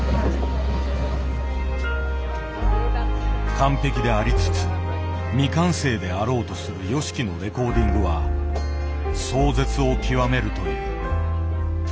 完璧でありつつ未完成であろうとするＹＯＳＨＩＫＩのレコーディングは壮絶を極めるという。